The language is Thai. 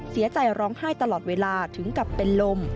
เสียใจร้องไห้ตลอดเวลาถึงกับเป็นลม